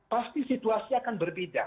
pasti situasi akan berbeda